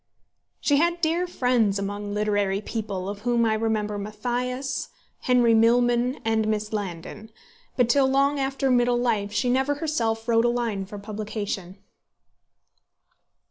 She had dear friends among literary people, of whom I remember Mathias, Henry Milman, and Miss Landon; but till long after middle life she never herself wrote a line for publication.